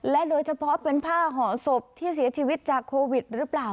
โดยเฉพาะเป็นผ้าห่อศพที่เสียชีวิตจากโควิดหรือเปล่า